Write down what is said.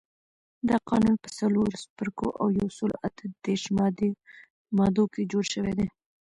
دا قانون په څلورو څپرکو او یو سلو اته دیرش مادو کې جوړ شوی.